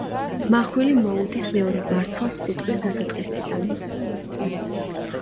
მახვილი მოუდის მეორე მარცვალს სიტყვის დასაწყისიდან.